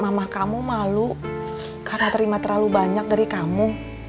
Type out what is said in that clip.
mamah kamu malu karena terima terlalu banyak dari kamu